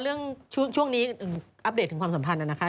ประกอบบทั้งความสัมพันธ์น่ะนะคะ